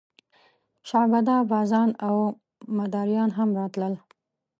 شعبده بازان او مداریان هم راتلل.